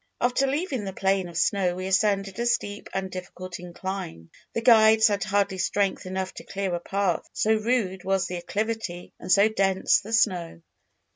After leaving the plain of snow we ascended a steep and difficult incline. The guides had hardly strength enough to clear a path, so rude was the acclivity and so dense the snow.